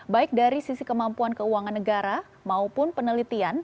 baik dari sisi kemampuan keuangan negara maupun penelitian